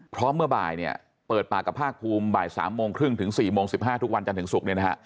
เพราะเมื่อบ่ายเปิดปากกับภาคภูมิบ่าย๓โมงครึ่งถึง๔โมง๑๕ทุกวันจนถึงศุกร์